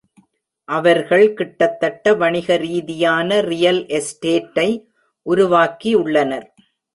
அவர்கள் கிட்டத்தட்ட வணிக ரீதியான ரியல் எஸ்டேட்டை உருவாக்கியுள்ளனர்.